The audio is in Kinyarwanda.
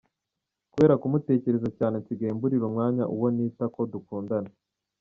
Kubera kumutekereza cyane nsigaye mburira umwanya uwo nita ko dukundana.